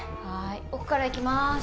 はい奥から行きます。